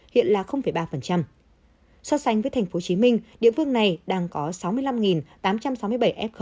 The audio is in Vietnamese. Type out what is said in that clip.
hiện là ba so sánh với tp hcm địa phương này đang có sáu mươi năm tám trăm sáu mươi bảy f